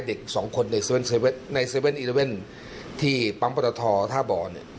เด็ก๒คนใน๗๑๑ที่ปั๊มประทอท่าบ่อ